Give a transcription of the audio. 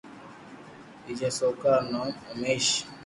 ٻيجا سوڪرا رو نوم اوميݾ